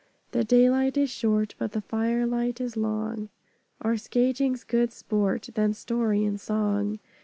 The daylight is short, But the firelight is long; Our skating's good sport; Then story and song.